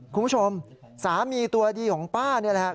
คุณผู้ชมสามีตัวดีของป้านี่แหละครับ